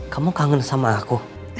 kamu kangen sama aku